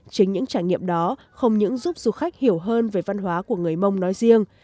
chính những trải nghiệm đó không những giúp du khách hiểu hơn về văn hóa của người mông nói riêng